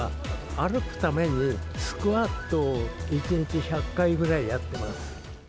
歩くために、スクワットを１日１００回ぐらいやってます。